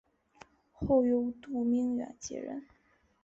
后由杜明远接任。